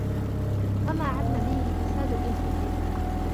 وَمَا عَمَّ بِهِ الْفَسَادُ إنْ فُقِدَ